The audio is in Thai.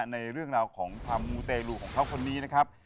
ในเรื่องราวของความมูเตรลูของเขาคนนี้นะครับ